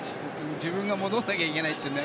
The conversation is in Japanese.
自分が戻らなきゃいけないというね。